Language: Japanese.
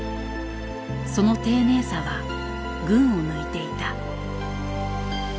その丁寧さは群を抜いていた。